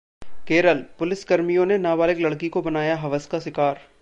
केरल: पुलिसकर्मियों ने नाबालिग लड़की को बनाया हवस का शिकार